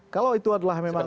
kalau itu adalah memang